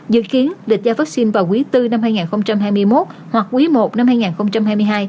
dự kiến lịch gia vaccine vào quý bốn năm hai nghìn hai mươi một hoặc quý i năm hai nghìn hai mươi hai